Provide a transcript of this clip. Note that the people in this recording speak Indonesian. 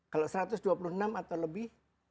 kalau satu ratus dua puluh enam atau lebih